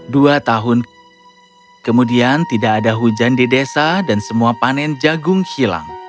dua tahun kemudian tidak ada hujan di desa dan semua panen jagung hilang